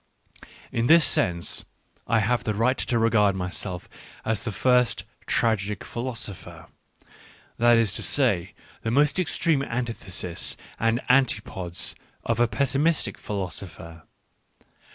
. In this sense I have the right to regard myself as the first tragic philosopher — that is to say, the most extreme antithesis and antipodes of a pessimistic philosopher.